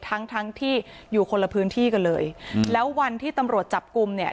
ทั้งทั้งที่อยู่คนละพื้นที่กันเลยอืมแล้ววันที่ตำรวจจับกลุ่มเนี่ย